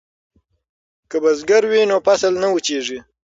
که بزګر وي نو فصل نه وچېږي.